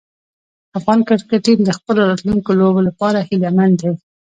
افغان کرکټ ټیم د خپلو راتلونکو لوبو لپاره هیله مند دی.